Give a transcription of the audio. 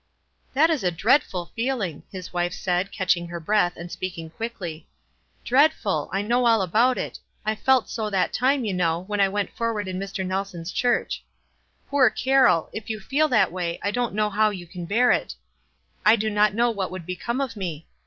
"That is a dreadful feeling!" his wife said, catching her breath, and speaking quickly. 378 WISE AND OTHERWISE. "Dreadful ! I know all about it; I felt so that time, you know, when I went forward in Mr. Nelson's church. Poor Carroll ! if you feel that way, I don't know how 3*011 can bear it. I do not know what would become of me.